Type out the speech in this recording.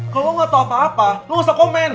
kalau lo gak tau apa apa lo gak usah komen